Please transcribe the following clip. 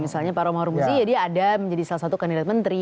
misalnya pak romah rumusi ya dia ada menjadi salah satu kandidat menteri